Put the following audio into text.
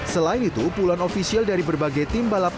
selain itu puluhan ofisial dari berbagai tim balap